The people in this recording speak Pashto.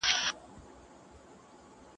¬ له خېره دي بېزار يم، شر مه رارسوه.